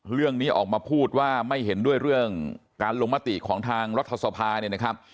เรื่องนี้ออกมาพูดว่าไม่เห็นด้วยเรื่องการลงมติของทางรัฐศพา